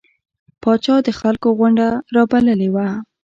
پاچا د خلکو غونده رابللې وه.